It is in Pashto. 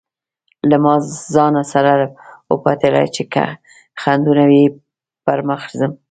ما له ځانه سره وپتېيله چې که خنډونه وي پر مخ ځم.